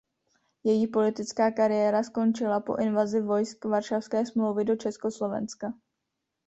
Její politická kariéra skončila po invazi vojsk Varšavské smlouvy do Československa.